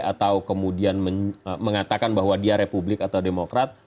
atau kemudian mengatakan bahwa dia republik atau demokrat